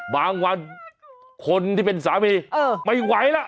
บางวันคนที่เป็นสามีไม่ไหวแล้ว